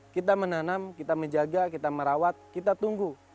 kita menanam kita menjaga kita merawat kita tunggu